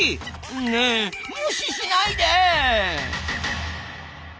ねえ「無視」しないで！